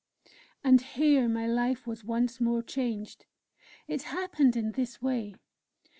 And here my life was once more changed. It happened in this way.